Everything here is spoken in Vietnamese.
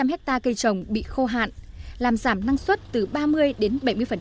chín mươi hai bốn trăm linh hectare cây trồng bị khô hạn làm giảm năng suất từ ba mươi đến bảy mươi